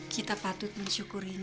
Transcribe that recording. kita patut mensyukurinya